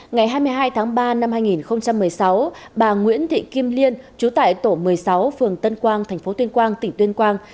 ngày hai mươi hai tháng ba năm hai nghìn một mươi sáu bà nguyễn thị kim liên chú tại tổ một mươi sáu phường tân quang tp tuyên quang tỉnh tuyên quang